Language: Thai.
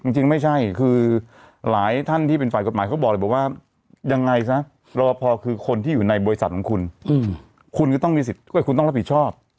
จริงไม่ใช่คือหลายท่านที่เป็นฝ่ายกฎหมายเขาบอกเลยบอกว่ายังไงซะรอพอคือคนที่อยู่ในบริษัทของคุณคุณก็ต้องมีสิทธิ์คุณต้องรับผิดชอบ